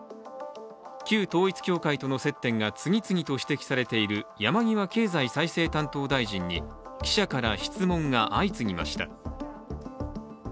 旧統一教会との接点が次々と指摘されている山際経済再生担当大臣に記者から質問が相次ぎました。